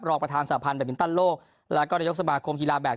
รองประธานสาพันธ์แบบมินตันโลกแล้วก็นายกสมาคมกีฬาแบบ